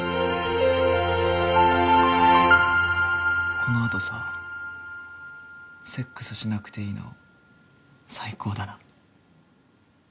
このあとさセックスしなくていいの最高だな。